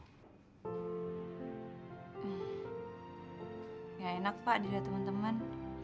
tidak enak pak dilihat teman teman